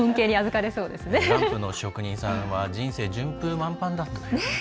ランプの職人さんは人生順風満帆だと。